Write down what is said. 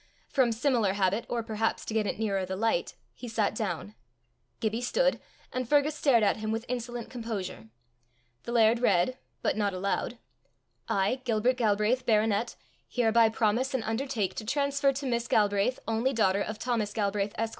From similar habit, or perhaps to get it nearer the light, he sat down. Gibbie stood, and Fergus stared at him with insolent composure. The laird read, but not aloud: I, Gilbert Galbraith, Baronet, hereby promise and undertake to transfer to Miss Galbraith, only daughter of Thomas Galbraith, Esq.